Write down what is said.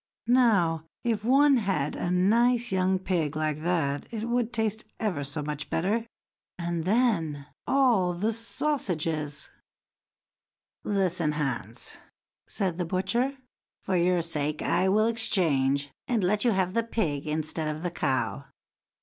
Now, if one had a nice young pig like that, it would taste ever so much better; and then, all the sausages!" "Listen, Hans!" then said the butcher; "for your sake I will exchange, and let you have the pig instead of the cow."